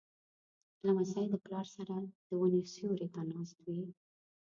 لمسی د پلار سره د ونو سیوري ته ناست وي.